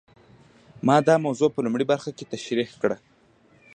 ما دا موضوع په لومړۍ برخه کې تشرېح کړه.